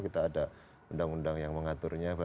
kita ada undang undang yang mengaturnya